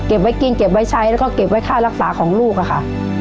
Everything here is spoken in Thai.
ไว้กินเก็บไว้ใช้แล้วก็เก็บไว้ค่ารักษาของลูกอะค่ะ